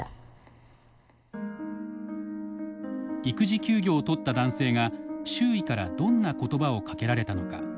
育児休業を取った男性が周囲からどんな言葉をかけられたのか。